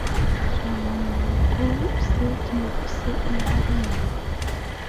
Chomye ng'ung' kou uset ne usei eng' mbarennyu.